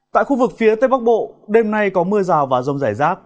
tại khu vực phía tây bắc bộ đêm nay có mưa rào và rông rải rác